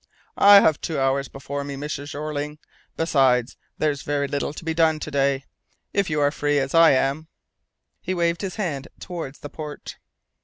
"I have two hours before me, Mr. Jeorling. Besides, there's very little to be done to day. If you are free, as I am " He waved his hand towards the port.